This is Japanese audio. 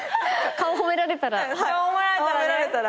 顔褒められたら。